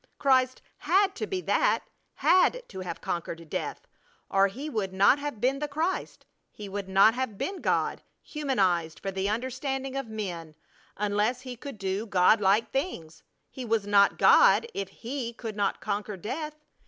Christ had to be that, had to have conquered death, or He would not have been the Christ; He would not have been God humanized for the understanding of men unless He could do God like things. He was not God if He could not conquer death.